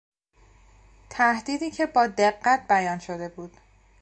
تهدیدی که با دقت بیان شده بود